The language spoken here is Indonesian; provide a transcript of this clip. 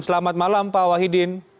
selamat malam pak wahidin